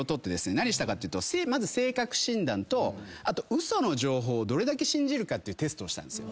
何したかっていうとまず性格診断と嘘の情報をどれだけ信じるかっていうテストをしたんですよ。